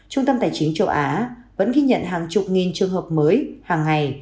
trung tâm tài chính châu á vẫn ghi nhận hàng chục nghìn trường hợp mới hàng ngày